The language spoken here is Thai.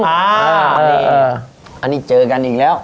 อันนี้เจอกันอีกแล้ว